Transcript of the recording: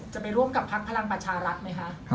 จะไปร่วมกับพลังประชารักษ์ไหมครับ